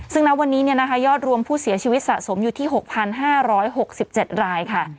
ซึ่งณวันนี้ยอดรวมผู้เสียชีวิตสะสมอยู่ที่๖๕๖๗รายค่ะ